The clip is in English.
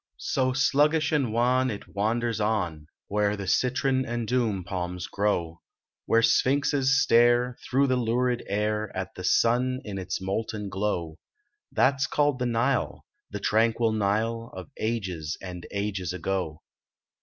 So sluggish and wan it wanders on Where the citron and dhouni palms grow. Where Sphinxes stare, through the lurid air, At the sun in its molten glow ; That s called the Nile, the tranquil Nile Of ages and ages ago.